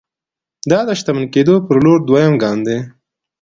دا د شتمن کېدو پر لور دويم ګام دی.